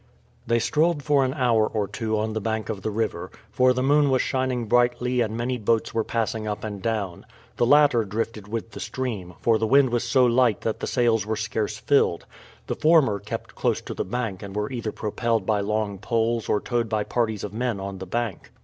They strolled for an hour or two on the bank of the river, for the moon was shining brightly and many boats were passing up and down; the latter drifted with the stream, for the wind was so light that the sails were scarce filled; the former kept close to the bank, and were either propelled by long poles or towed by parties of men on the bank.